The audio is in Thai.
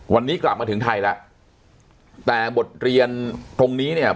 วันนี้กลับมาถึงไทยแล้วแต่บทเรียนตรงนี้เนี่ย